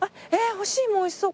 干し芋おいしそう。